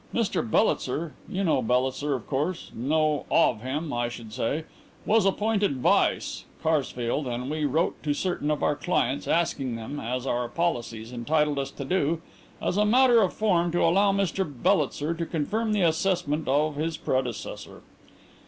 Mr Bellitzer you know Bellitzer, of course; know of him, I should say was appointed vice Karsfeld and we wrote to certain of our clients, asking them as our policies entitled us to do as a matter of form to allow Mr Bellitzer to confirm the assessment of his predecessor.